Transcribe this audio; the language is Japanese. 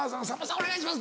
お願いします！